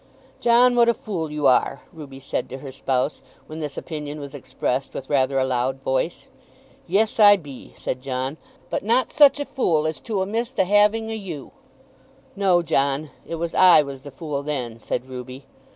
"John, what a fool you are!" Ruby said to her spouse, when this opinion was expressed with rather a loud voice. "Yes, I be," said John, "but not such a fool as to a' missed a having o' you." "No, John; it was I was the fool then," said Ruby.